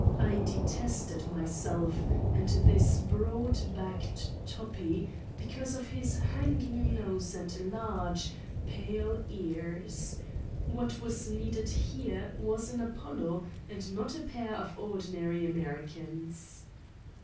I detested myself and this broad backed Toppi be cause of his hanging nose and large, pale ears. What was needed here was an Apollo and not a pair of ordinary Americans.